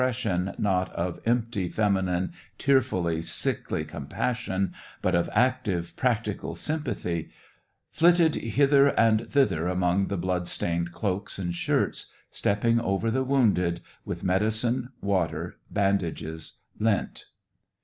sion not of empty, feminine, tearfully sickly com passion, but of active, practical sympathy, flitted hither and thither among the blood stained cloaks and shirts, stepping over the wounded, with medi cine, water, bandages, lint.